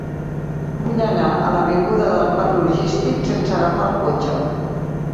Vull anar a l'avinguda del Parc Logístic sense agafar el cotxe.